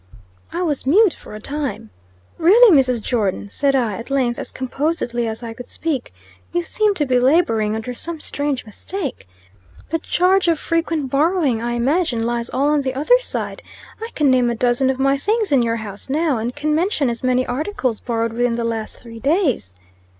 I was mute for a time. "Really, Mrs. Jordon," said I, at length, as composedly as I could speak, "you seem to be laboring under some strange mistake. The charge of frequent borrowing, I imagine, lies all on the other side. I can name a dozen of my things in your house now, and can mention as many articles borrowed within the last three days."